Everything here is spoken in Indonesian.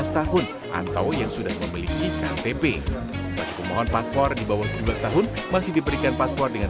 tahun atau yang sudah memiliki ktp paspon paspor dibawah tujuh belas tahun masih diberikan paspor dengan